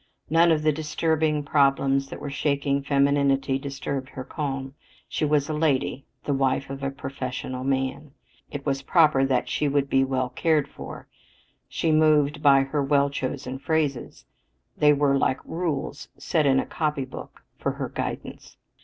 None of the disturbing problems that were shaking femininity disturbed her calm. She was "a lady," the "wife of a professional man." It was proper that she should "be well cared for." She moved by her well chosen phrases; they were like rules set in a copybook for her guidance.